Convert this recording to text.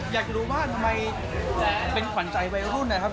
อยากรู้ว่าทำไมเป็นขวัญใจวัยรุ่นนะครับ